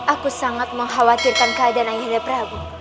aku sangat mengkhawatirkan keadaan ayahnya prabu